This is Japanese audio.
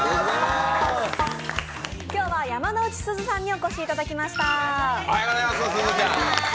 今日は山之内すずさんにお越しいただきました。